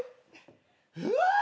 うわ！